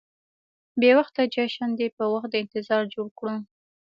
بې وخته جشن دې په وخت د انتظار جوړ کړو.